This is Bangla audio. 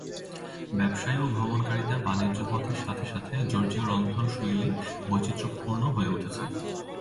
ব্যবসায়ী এবং ভ্রমণকারীদের বাণিজ্য পথের সাথে সাথে জর্জীয় রন্ধনশৈলী বৈচিত্র্যপূর্ণ হয়ে উঠেছে।